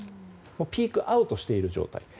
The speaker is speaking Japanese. ピークアウトしている状態。